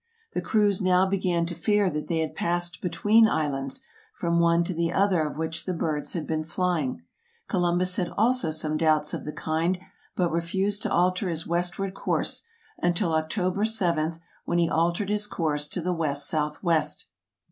The crews now began to fear that they had passed between islands, from one to the other of which the birds had been flying. Columbus had also some doubts of the kind, but refused to alter his west ward course, until October 7, when he altered his course to the west southwest.